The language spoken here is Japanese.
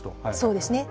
そうですね。